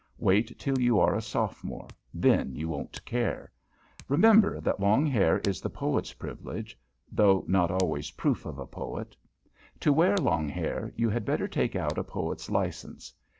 Wait till you are a Sophomore; then you won't care to. Remember that long hair is the Poet's privilege (though not always proof of a Poet). To wear long hair, you had better take out a Poet's license.